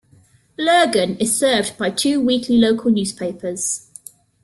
Lurgan is served by two weekly local newspapers.